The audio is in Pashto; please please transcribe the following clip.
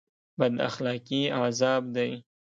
بد اخلاقي عذاب دی